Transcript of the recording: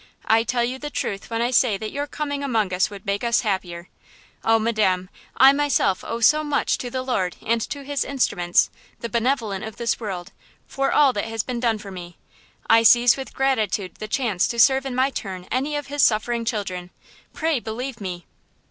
I tell you the truth when I say that your coming among us would make us happier. Oh, Madam, I myself owe so much to the Lord and to His instruments, the benevolent of this world, for all that has been done for me. I seize with gratitude the chance to serve in my turn any of His suffering children. Pray believe me!"